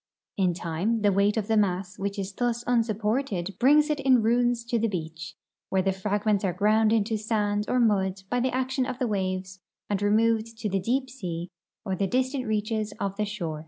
In time the Aveight of the mass Avhich is thus unsupported brings it in ruins to the beach, Avhere the fragments are ground into santl or mud by the action of the AvaAX'S and rcmoA'cd to the deep sea or the distant reaches of the shore.